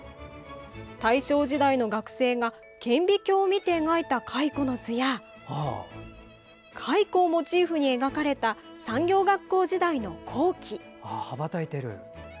大正時代の学生が顕微鏡を見て描いた蚕の図や蚕をモチーフに描かれた蚕業学校時代の校旗。